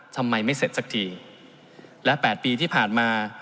ทำไมไม่เสร็จสักทีและ๘ปีที่ผ่านมา